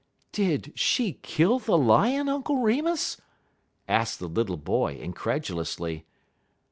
"Did she kill the Lion, Uncle Remus?" asked the little boy, incredulously.